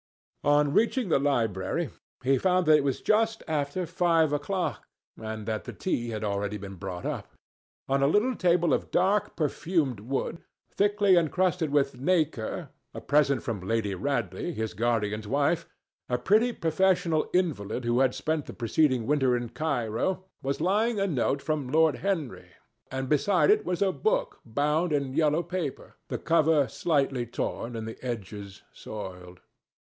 On reaching the library, he found that it was just after five o'clock and that the tea had been already brought up. On a little table of dark perfumed wood thickly incrusted with nacre, a present from Lady Radley, his guardian's wife, a pretty professional invalid who had spent the preceding winter in Cairo, was lying a note from Lord Henry, and beside it was a book bound in yellow paper, the cover slightly torn and the edges soiled.